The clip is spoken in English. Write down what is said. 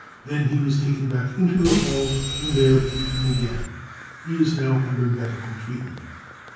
Then he was taken back into the hall and there beaten again. He is now under medical treatment."